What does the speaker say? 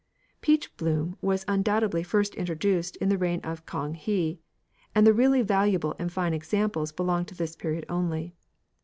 Peach bloom was undoubtedly first introduced in the reign of Kang he, and the really valuable and fine examples belong to this period only.